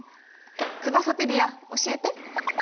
ツバサペディア教えて。